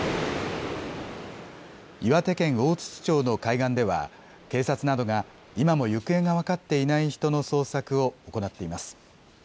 岩手県大槌町の海岸では警察などが今も行方が分かっていない人の捜索を行っています。